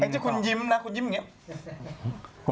ที่คุณยิ้มนะคุณยิ้มอย่างนี้